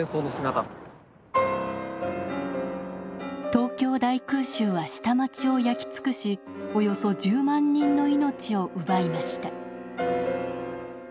東京大空襲は下町を焼き尽くしおよそ１０万人の命を奪いました。